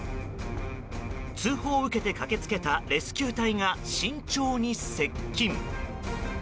通報を受けて駆け付けたレスキュー隊が慎重に接近。